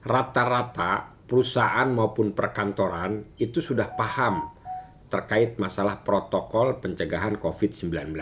rata rata perusahaan maupun perkantoran itu sudah paham terkait masalah protokol pencegahan covid sembilan belas